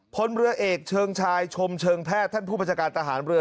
พลเรือเอกเชิงชายชมเชิงแพทย์ท่านผู้บัญชาการทหารเรือ